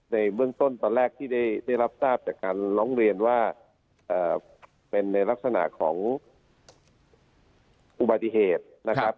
ในเบื้องต้นตอนแรกที่ได้รับทราบจากการร้องเรียนว่าเป็นในลักษณะของอุบัติเหตุนะครับ